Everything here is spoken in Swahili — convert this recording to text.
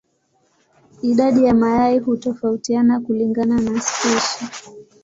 Idadi ya mayai hutofautiana kulingana na spishi.